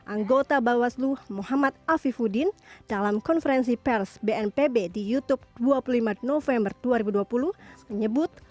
anggota bawaslu muhammad afifuddin dalam konferensi pers bnpb di youtube dua puluh lima november dua ribu dua puluh menyebut